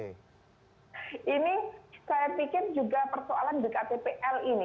ini saya pikir juga persoalan di ktpl ini